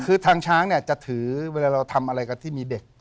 คือทางช้างเนี่ยจะถือเวลาเราทำอะไรกับที่มีเด็ก